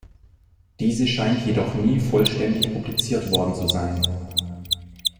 Diese scheint jedoch nie vollständig publiziert worden zu sein.